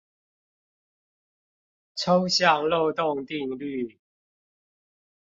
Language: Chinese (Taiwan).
抽象漏洞定律